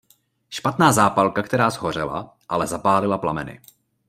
Šťastná zápalka, která shořela, ale zapálila plameny.